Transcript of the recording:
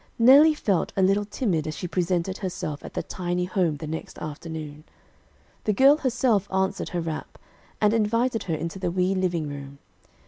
Nellie felt a little timid as she presented herself at the tiny home the next afternoon. The girl herself answered her rap, and invited her into the wee living room.